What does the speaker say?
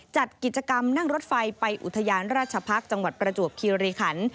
จัดกิจกรรมนั่งรถไฟไปอุทยานราชพักษ์จังหวัดประจวบคิริขัน